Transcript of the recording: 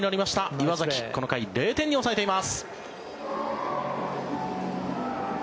岩崎、この回０点に抑えています。